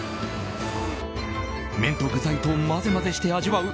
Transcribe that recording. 麺と具材とまぜまぜして味わう